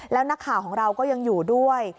แล้วนักข่าวของเราก็ยังอยู่ด้วย